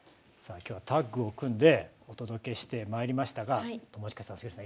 今日はタッグを組んでお届けしてまいりましたが友近さん、杉浦さん